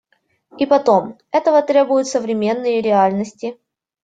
И потом, этого требуют современные реальности.